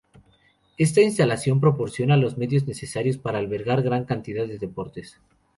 Ésta instalación proporciona los medios necesarios para albergar gran cantidad de deportes.